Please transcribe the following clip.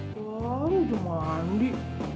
baru aja mandi